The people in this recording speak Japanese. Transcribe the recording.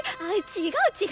違う違う。